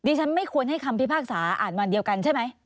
ฉันไม่ควรให้คำพิพากษาอ่านวันเดียวกันใช่ไหม